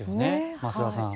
増田さん。